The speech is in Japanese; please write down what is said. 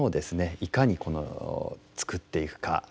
いかに作っていくか。